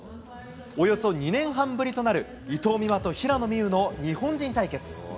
およそ２年半ぶりとなる、伊藤美誠と平野美宇の日本人対決。